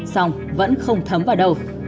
sòng vẫn không thấm vào đầu